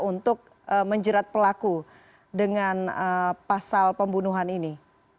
untuk menjerat pelaku dengan pasal pembunuhan ini